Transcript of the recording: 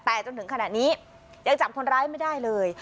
แต่จนถึงขณะนี้ยังจับคนร้ายไม่ได้เลย